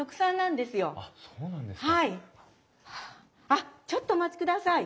あっちょっとお待ちください。